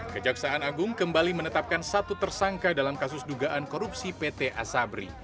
kejaksaan agung kembali menetapkan satu tersangka dalam kasus dugaan korupsi pt asabri